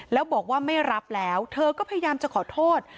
แล้วบอกว่าไม่รับแล้วเธอก็พยายามจะขอโทษ